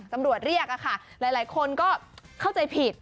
ตำรวจเรียกค่ะหลายคนก็เข้าใจผิด